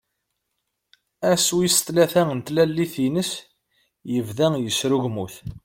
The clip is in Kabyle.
Ass wis tlata n tlalit-ines, yebda yesrugmut.